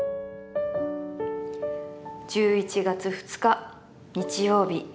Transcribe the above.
「１１月２日日曜日